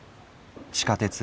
地下鉄